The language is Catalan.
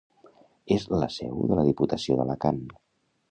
És la seu de la Diputació d'Alacant.